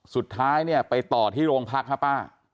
สุดท้ายไปต่อที่โรงพักษ์ครับป้า